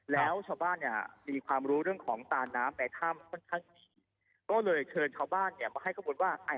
แล้วชาวบ้านมีความรู้เรื่องของตาน้ำในถ้ำก็เลยเชิญชาวบ้านมาให้เข้าบทว่า